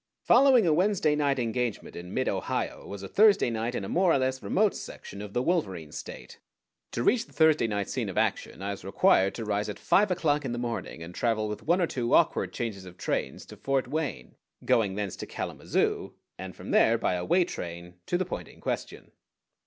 Following a Wednesday night engagement in mid Ohio was a Thursday night in a more or less remote section of the Wolverine State. To reach the Thursday night scene of action I was required to rise at five o'clock in the morning and travel with one or two awkward changes of trains to Fort Wayne, going thence to Kalamazoo, and from there by a way train to the point in question.